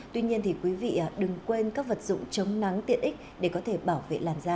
tuy nhiên thì quý vị đừng quên các vật dụng chống nắng tiện ích để có thể bảo vệ làn da